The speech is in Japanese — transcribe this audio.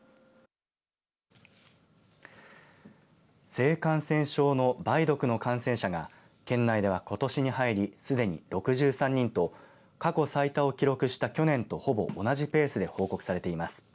性感染症の梅毒の感染者が県内ではことしに入りすでに６３人と過去最多を記録した去年とほぼ同じペースで報告されています。